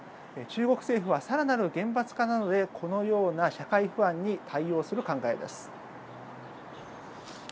中国政府は更なる厳罰化などでこのような社会不安に対応する考えです。